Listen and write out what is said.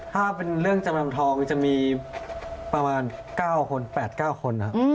ถ้าเป็นเรื่องจำนำทองจะมีประมาณ๙คน๘๙คน